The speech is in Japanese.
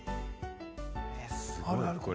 すごい！これ。